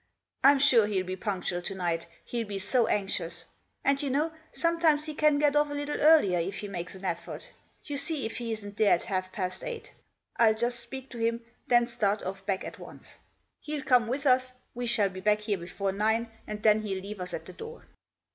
"I'm sure he'll be punctual to night, he'll be so anxious. And you know sometimes he can get off a little earlier if he makes an effort You see if he isn't Digitized by Google MAX LANDER. ?5 there at half past eight I'll just speak to him, then start off back at once. Hell come with us, we shall be back here before nine, and then he'll leave us at the door."